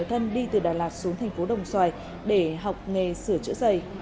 thân đi từ đà lạt xuống tp đồng xoài để học nghề sửa chữa giày